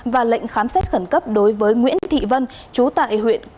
và lệnh khám xét khẩn cấp đối với nguyễn thị vân chú tại huyện quảng ninh